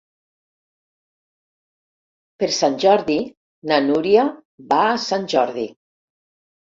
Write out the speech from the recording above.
Per Sant Jordi na Núria va a Sant Jordi.